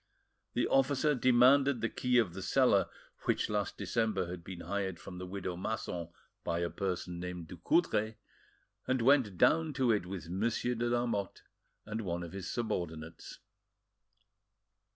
The officer demanded the key of the cellar which last December had been hired from the widow Masson by a person named Ducoudray, and went down to it with Monsieur de Lamotte and one of his subordinates.